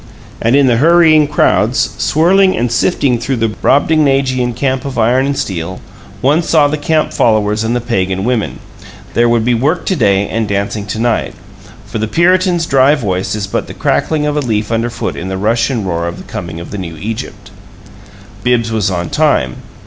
And in the hurrying crowds, swirling and sifting through the brobdingnagian camp of iron and steel, one saw the camp followers and the pagan women there would be work to day and dancing to night. For the Puritan's dry voice is but the crackling of a leaf underfoot in the rush and roar of the coming of the new Egypt. Bibbs was on time.